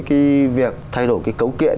cái việc thay đổi cái cấu kiện